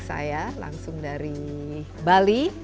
saya langsung dari bali